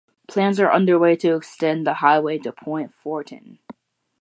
Plans are underway to extend the highway to Point Fortin.